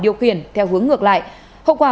điều khiển theo hướng ngược lại hậu quả